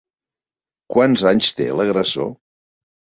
Quants anys té l'agressor?